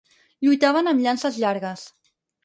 Lluitaven amb llances llargues.